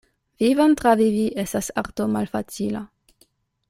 Vivon travivi estas arto malfacila.